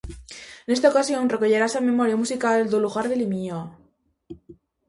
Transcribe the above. Nesta ocasión, recollerase a memoria musical do lugar de Limiñoa.